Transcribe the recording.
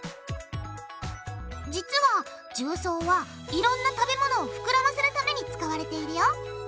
実は重曹はいろんな食べ物をふくらませるために使われているよ。